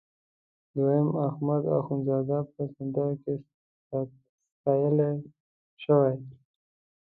دوهم احمد اخوندزاده په سندره کې ستایل شوی.